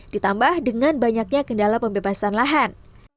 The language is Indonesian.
ditambah dengan banyaknya kendala pembebasan lahan